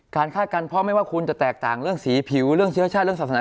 คาดการณ์เพราะไม่ว่าคุณจะแตกต่างเรื่องสีผิวเรื่องเชื้อชาติเรื่องศาสนา